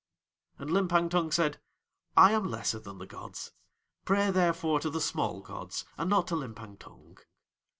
And Limpang Tung said: "I am lesser than the gods; pray, therefore, to the small gods and not to Limpang Tung.